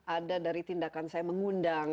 ada dari tindakan saya